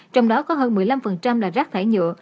trong đó có hơn một mươi năm là rác thải nhựa